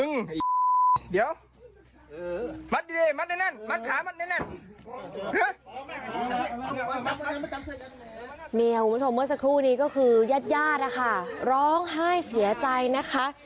คุณผู้ชมเมื่อสักครู่นี้ก็คือญาติญาตินะคะร้องไห้เสียใจนะคะ